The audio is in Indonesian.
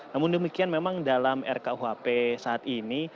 namun demikian memang dalam rkuhp saat ini